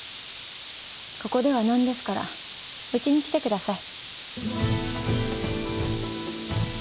ここではなんですからうちに来てください。